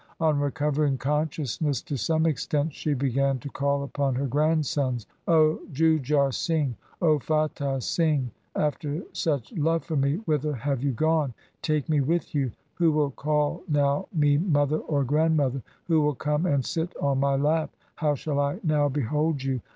On recovering consciousness to some extent she began to call upon her grandsons, ' O Jujhar Singh, 0 Fatah Singh, after such love for me whither have you gone ? Take me with you. Who will call now me mother or grandmother ? Who will come and sit cn my lap ? How shall I now behold you